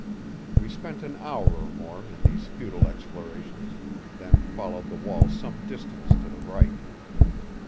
We spent an hour or more in these futile explorations, then followed the wall some distance to the right.